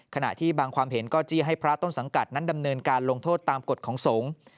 ขณะที่บางความเห็นก็จี้ให้พระต้นสังกัดนั้นดำเนินการลงโทษตามกฎของสงฆ์